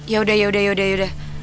yaudah yaudah yaudah